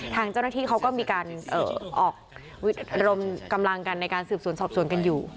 ทางเจ้าหน้าที่เขาก็มีการออกรมกำลังกันในการสืบสวนสอบสวนกันอยู่